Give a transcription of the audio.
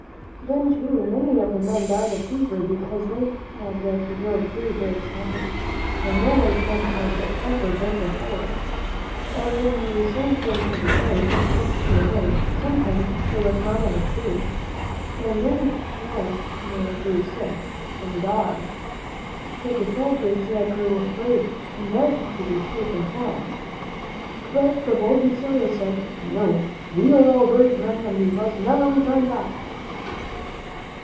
Then, too, many of the men died of fever because they had to go through great swamps, where no white men had ever been before, and where you sank into the ground up to your waist. Sometimes there was not enough food, and many of the men grew sick and died; so the soldiers grew afraid and begged to be taken home. But the bold De Soto said, "No; we are all brave men and we must never turn back."